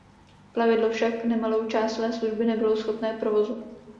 Plavidlo však nemalou část své služby nebylo schopné provozu.